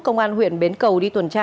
công an huyện bến cầu đi tuần tra